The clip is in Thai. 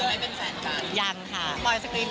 คุณหวานดินอะไรคะเค้านี่